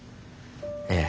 ええ。